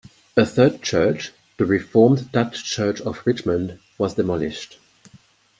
A third church, the Reformed Dutch Church of Richmond, was demolished.